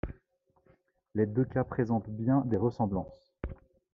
Les deux cas présentent bien des ressemblances.